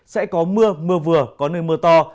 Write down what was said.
sẽ có mưa mưa vừa có nơi mưa to